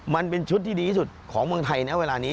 มันเป็นชุดที่ดีที่สุดของเมืองไทยนะเวลานี้